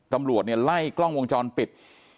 ตำรวจเนี่ยไล่กล้องวงจรปิด